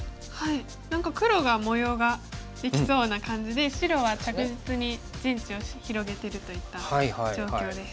何か黒が模様ができそうな感じで白は着実に陣地を広げてるといった状況です。